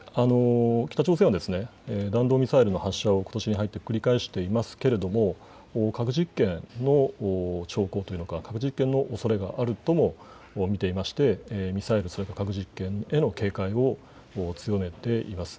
北朝鮮は弾道ミサイルの発射をことしに入って繰り返していますけれども核実験の兆候というか核実験のおそれがあるとも見ていて核実験への警戒を強めています。